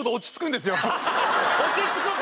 落ち着くか！